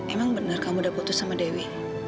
emang bener kamu udah putus sama dewi